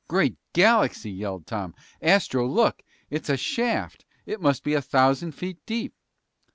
"Great galaxy!" yelled Tom. "Astro, look! It's a shaft! It must be a thousand feet deep!"